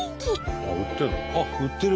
あっ売ってる。